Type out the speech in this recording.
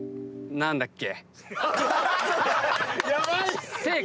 「何だっけ？」